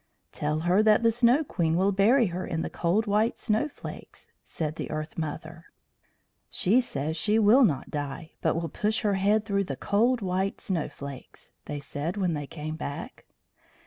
"Tell her that the Snow queen will bury her in her cold white snowflakes," said the Earth mother. "She says she will not die, but will push her head through the cold white snowflakes," they said when they came back.